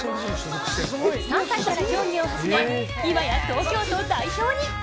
３歳から競技を始め、今や東京都代表に。